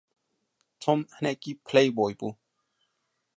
Tom hinekî playboy bû.